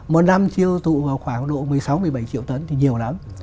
một năm tiêu thụ vào khoảng độ một mươi sáu một mươi bảy triệu tấn thì nhiều lắm